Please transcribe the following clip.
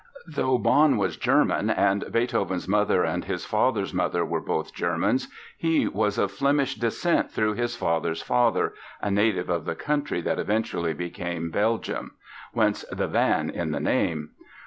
Though Bonn was German and Beethoven's mother and his father's mother were both Germans, he was of Flemish descent through his father's father, a native of the country that eventually became Belgium, whence the "van" in the name.